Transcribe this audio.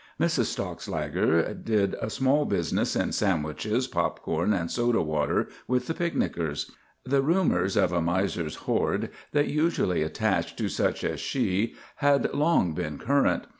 Mrs. Stockslager did a small business in sandwiches, pop corn and soda water with the picknickers. The rumours of a miser's hoard that usually attached to such as she had long been current.